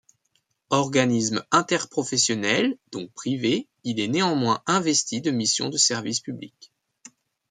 Organisme interprofessionnel, donc privé, il est néanmoins investi de missions de service public.